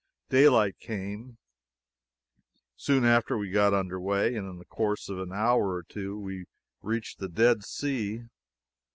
Daylight came, soon after we got under way, and in the course of an hour or two we reached the Dead Sea.